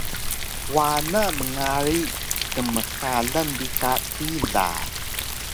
wana mngari kmxalan bi ka pila